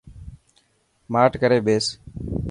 ماٺ ڪري ٻيس.